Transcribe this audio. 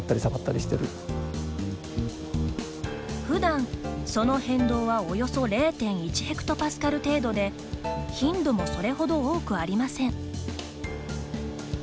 ふだん、その変動はおよそ０．１ヘクトパスカル程度で頻度もそれほど多くありません。